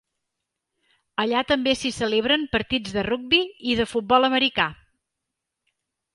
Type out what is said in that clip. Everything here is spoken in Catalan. Allà també s'hi celebren partits de rugby i de futbol americà.